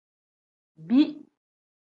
Bii.